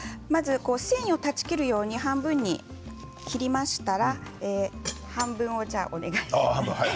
繊維を断ち切るように半分に切りましたら半分お願いします。